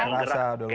gak kerasa udah lupa